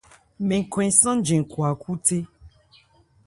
Mɛn khwɛn sánje khwa khúthé.